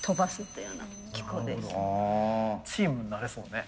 チームになれそうね。